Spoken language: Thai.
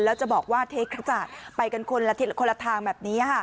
แล้วจะบอกว่าเทคกระจาดไปกันคนละทิศคนละทางแบบนี้ค่ะ